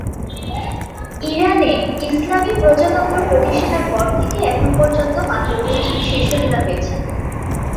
ইরানে ইসলামি প্রজাতন্ত্র প্রতিষ্ঠার পর থেকে এখন পর্যন্ত মাত্র দুজন শীর্ষ নেতা হয়েছেন।